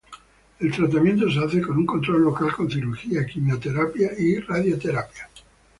El tratamiento se hace con un control local con cirugía, quimioterapia y radioterapia.